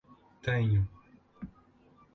Tenho